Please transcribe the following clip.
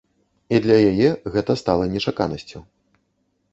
І для яе гэта стала нечаканасцю.